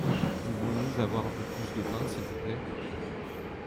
Pouvons-nous avoir un peu plus de pain s’il vous plait ?